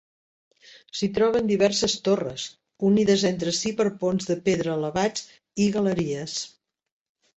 S'hi troben diverses torres, unides entre si per ponts de pedra elevats i galeries.